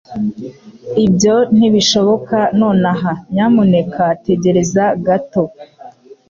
Ibyo ntibishoboka nonaha. Nyamuneka tegereza gato.